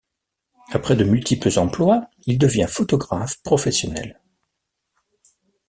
Après de multiples emplois, il devient photographe professionnel.